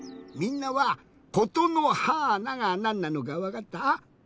みんなは「ことのはーな」がなんなのかわかった？